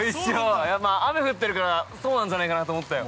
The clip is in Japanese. ◆まあ、雨降ってるからそうなんじゃないかなと思ったよ。